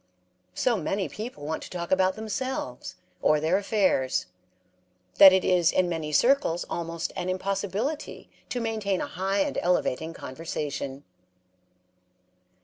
So many people want to talk about themselves, or their affairs, that it is in many circles almost an impossibility to maintain a high and elevating conversation.